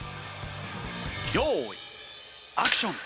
用意アクション。